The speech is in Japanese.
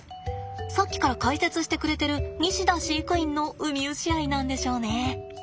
さっきから解説してくれてる西田飼育員のウミウシ愛なんでしょうね。